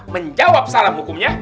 menjawab salam hukumnya